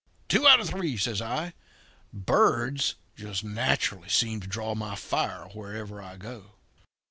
'Two out of three,' says I. 'Birds just naturally seem to draw my fire wherever I go.'